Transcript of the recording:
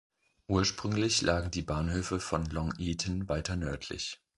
Ursprünglich lagen die Bahnhöfe von Long Eaton weiter nördlich.